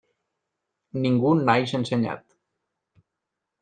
Ningú naix ensenyat.